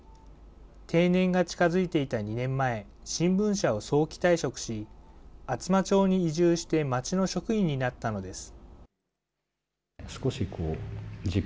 定年が近づいていた２年前、新聞社を早期退職し、厚真町に移住して町の職員になったのです。